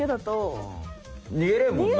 にげれるもんな。